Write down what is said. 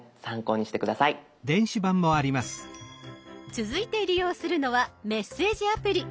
続いて利用するのはメッセージアプリ。